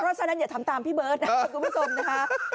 เพราะฉะนั้นอย่าทำตามพี่เบิร์ตทุกประสงค์นะคะ